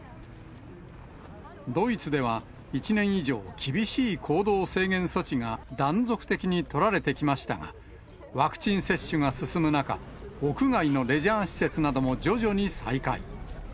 ドイツでは１年以上、厳しい行動制限措置が断続的に取られてきましたが、ワクチン接種が進む中、屋外のレジャー施設なども徐々に再開。